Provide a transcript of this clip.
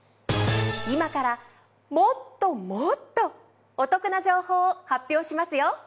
今からもっともっとお得な情報を発表しますよ。